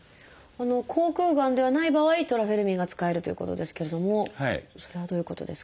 口腔がんではない場合トラフェルミンが使えるということですけれどもそれはどういうことですか？